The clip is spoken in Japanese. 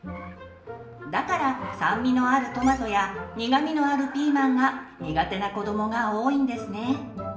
だから酸味のあるトマトや苦味のあるピーマンが苦手な子どもが多いんですね。